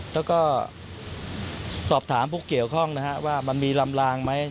แล้วก็สอบถามภูเขียวข้องนะครับว่ามันมีรำลางมั้ย